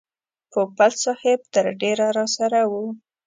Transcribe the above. پوپل صاحب تر ډېره راسره و.